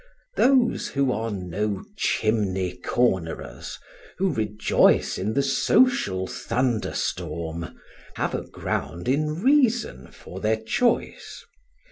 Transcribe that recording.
Those who are no chimney cornerers, who rejoice in the social thunderstorm, have a ground in reason for their choice.